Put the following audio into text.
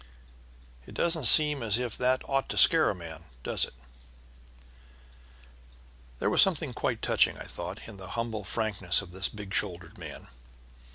It doesn't seem as if that ought to scare a man, does it?" There was something quite touching, I thought, in the humble frankness of this big shouldered man.